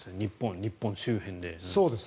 日本周辺で。